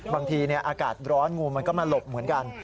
บางทีอากาศร้อนงูมันก็มาหลบเหมือนกัน